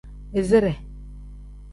Izire.